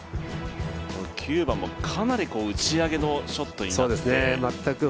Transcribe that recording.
９番もかなり打ち上げのショットになって。